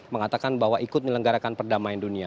mengatakan bahwa ikut melenggarakan perdamaian dunia